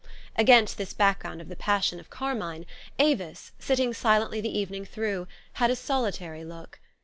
Against this background of the passion of car mine, Avis, sitting silently the evening through, had a solitary look.